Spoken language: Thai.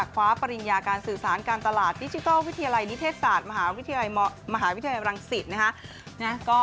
คว้าปริญญาการสื่อสารการตลาดดิจิทัลวิทยาลัยนิเทศศาสตร์มหาวิทยาลัยรังสิตนะฮะ